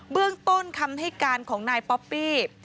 เรื่องต้นคำให้การของนายป๊อปปี้